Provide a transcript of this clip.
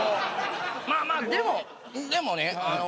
まあまあ、でもね。